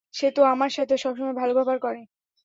সে তো আমার সাথে সবসময় ভালো ব্যবহার করে।